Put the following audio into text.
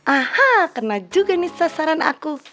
aha kena juga nih sasaran aku